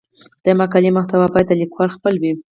د مقالې محتوا باید د لیکوال خپل وي.